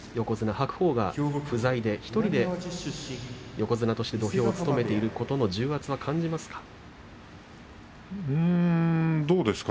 白鵬が不在で１人で横綱として土俵を務めていることの重圧は感じますか。